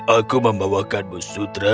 aku membawakanmu sutra